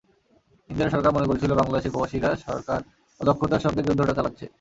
ইন্দিরা সরকার মনে করছিল, বাংলাদেশের প্রবাসী সরকার অদক্ষতার সঙ্গে যুদ্ধটা চালাচ্ছে।